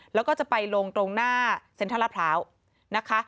แล้วก็จะไปลงตรงหน้าเซ็นทรัลลาดพร้าวนะคะ